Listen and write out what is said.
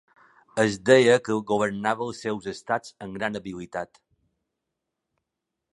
Es deia que governava els seus estats amb gran habilitat.